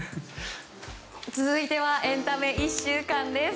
続いてはエンタメ１週間です。